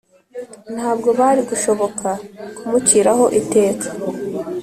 Ntabwo bari gushobora kumuciraho iteka